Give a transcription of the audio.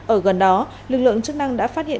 ở gần đó lực lượng chức năng đã phát hiện